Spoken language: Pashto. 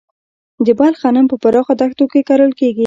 د بلخ غنم په پراخه دښتو کې کرل کیږي.